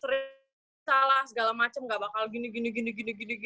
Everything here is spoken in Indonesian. terserah segala macem gak bakal gini gini gini gini gini gini